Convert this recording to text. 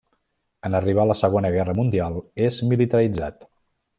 En arribar la Segona Guerra Mundial és militaritzat.